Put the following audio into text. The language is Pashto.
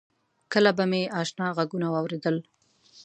کله به مې آشنا غږونه واورېدل.